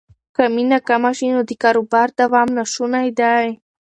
که مینه کمه شي نو د کاروبار دوام ناشونی دی.